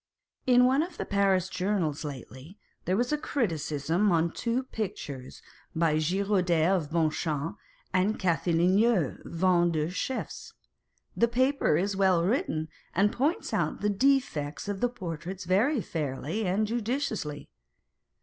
In one of the Paris journals lately, there was a criticism on two pictures by Girodet of Bonchamps and Cathelineau, Vendean chiefs. The paper is well written, and points out the defects of the portraits very fairly and judiciously.